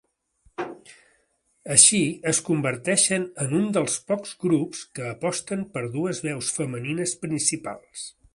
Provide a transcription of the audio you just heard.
Així, es converteixen en un dels pocs grups que aposten per dues veus femenines principals.